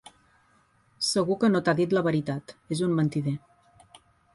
Segur que no t'ha dit la veritat: és un mentider.